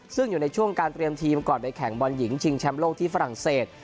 ซึ่งอยู่ในช่วงการเตรียมทีมก่อนไปแข่งบอลหญิงชิงแชมป์โลกที่ฝรั่งเศส